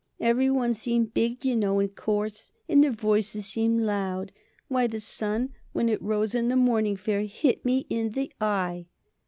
Every one seemed big, you know, and coarse. And their voices seemed loud. Why, the sun, when it rose in the morning, fair hit me in the eye!"